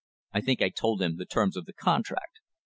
I think I told him the terms of the contract.